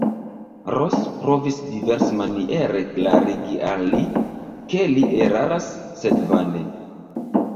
Ros provis diversmaniere klarigi al li, ke li eraras, sed vane.